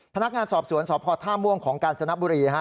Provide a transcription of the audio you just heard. พนักงานสอบสวนสพท่าม่วงของกาญจนบุรี